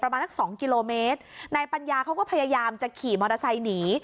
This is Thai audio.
มานักสองกิโลเมตรนายปัญญาเขาก็พยายามจะขี่มอเตอร์ไซค์หนี